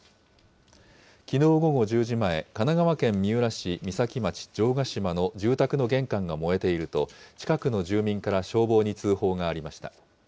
きのう午後１０時前、神奈川県三浦市三崎町城ヶ島の住宅の玄関が燃えていると、近くの住民から消防に通報がありました。